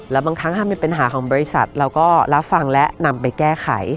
แล้วบางครั้งถ้ามีปัญหาของบริษัทเราก็รับฟังและนำไปแก้ไข